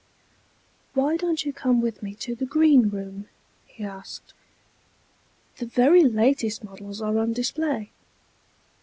_ "Why don't you come with me to the Green Room?" he asked. "The very latest models are on display."